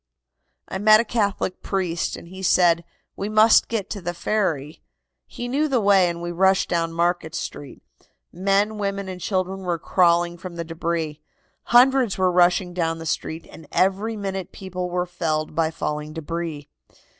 "I met a Catholic priest, and he said: 'We must get to the ferry.' He knew the way, and we rushed down Market Street. Men, women and children were crawling from the debris. Hundreds were rushing down the street, and every minute people were felled by falling debris.